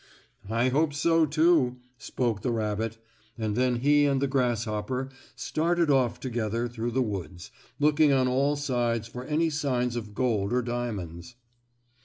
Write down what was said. "I hope so too," spoke the rabbit, and then he and the grasshopper started off together through the woods, looking on all sides for any signs of gold or diamonds.